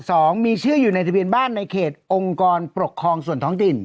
สองมีชื่ออยู่ในทะเบียนบ้านในเขตองค์กรปกครองส่วนท้องถิ่น